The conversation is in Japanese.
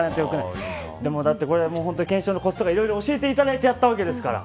懸賞のコツとかをいろいろ教えていただいてやったわけですから。